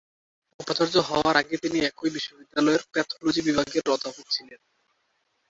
উপাচার্য হওয়ার আগে তিনি একই বিশ্ববিদ্যালয়ের প্যাথলজি বিভাগের অধ্যাপক ছিলেন।